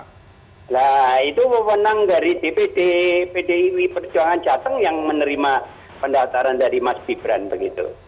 nah itu pemenang dari dpd pdi perjuangan jateng yang menerima pendaftaran dari mas gibran begitu